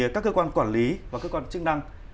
các cơ quan quản lý và cơ quan chức năng